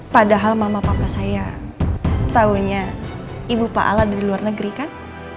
padahal mama papa saya tahunya ibu pak ala di luar negeri kan